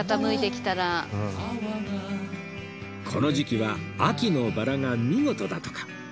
この時期は秋のバラが見事だとか